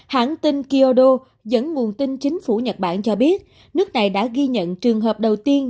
hãng tin kyodo dẫn nguồn tin chính phủ nhật bản cho biết nước này đã ghi nhận trường hợp đầu tiên